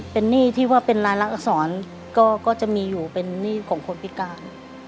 เป็นหนี้ที่ว่าเป็นรายลักษรก็จะมีอยู่เป็นหนี้ของคนพิการ